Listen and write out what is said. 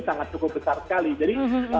sangat cukup besar sekali jadi